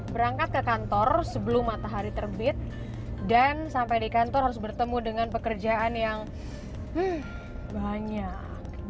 berangkat ke kantor sebelum matahari terbit dan sampai di kantor harus bertemu dengan pekerjaan yang banyak